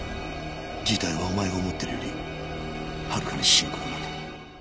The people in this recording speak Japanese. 事態はお前が思っているよりはるかに深刻なんだ。